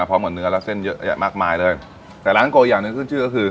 พร้อมกับเนื้อแล้วเส้นเยอะแยะมากมายเลยแต่หลังโกอีกอย่างหนึ่งขึ้นชื่อก็คือ